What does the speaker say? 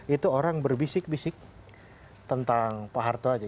itu orang berbisik bisik tentang pak harto aja